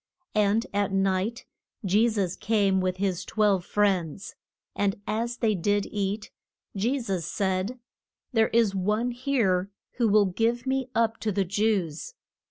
And at night Je sus came with his twelve friends. And as they did eat, Je sus said, There is one here who will give me up to the Jews.